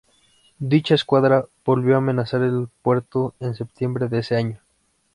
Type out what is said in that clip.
Dicha escuadra volvió a amenazar el puerto en septiembre de ese año.